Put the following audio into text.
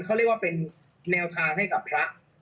เขาเรียกว่าเป็นแนวทางให้กับพระ